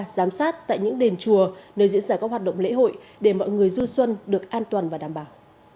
giám sát tại những đền chùa nơi diễn ra các hoạt động lễ hội để mọi người du xuân được an toàn và đảm bảo